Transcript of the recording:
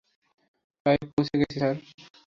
প্রায় পৌঁছে গেছি, স্যার।